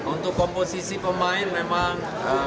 untuk komposisi pemain memang enam puluh empat puluh